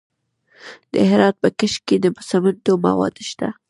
د هرات په کشک کې د سمنټو مواد شته.